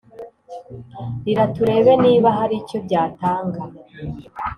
rira turebe niba hari icyo byatanga